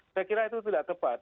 saya kira itu tidak tepat